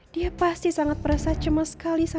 dia pasti sangat merasa cemas sekali sama